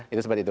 itu seperti itu